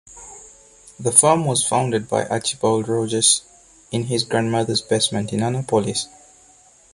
The firm was founded by Archibald Rogers in his grandmother's basement in Annapolis.